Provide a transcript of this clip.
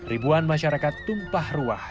ribuan masyarakat tumpah ruah